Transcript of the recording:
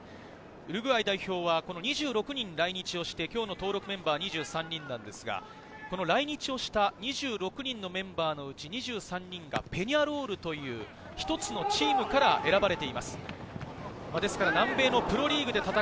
ウルグアイ代表は２６人来日をして、今日の登録メンバー２３人なんですが、来日をした２６人のメンバーのうち、２３人がペニャロールという一つのチームから選ばれています。